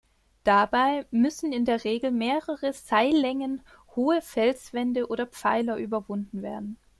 Dabei müssen in der Regel mehrere Seillängen hohe Felswände oder Pfeiler überwunden werden.